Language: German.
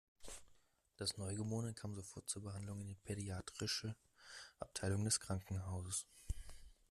Das Neugeborene kam sofort zur Behandlung in die pädiatrische Abteilung des Krankenhauses.